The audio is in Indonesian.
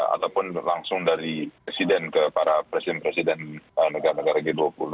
ataupun langsung dari presiden ke para presiden presiden negara negara g dua puluh